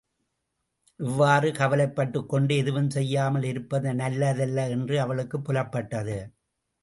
இவ்வாறு கவலைப்பட்டுக்கொண்டு எதுவும் செய்யாமல் இருப்பது நல்லதல்ல என்று அவளுக்குப் புலப்பட்டது.